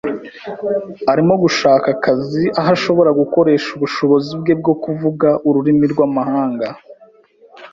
Arimo gushaka akazi aho ashobora gukoresha ubushobozi bwe bwo kuvuga ururimi rwamahanga